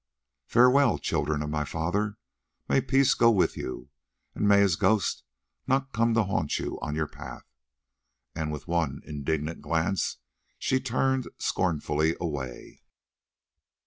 Farewell, children of my father: may peace go with you, and may his ghost not come to haunt you on your path," and with one indignant glance she turned scornfully away.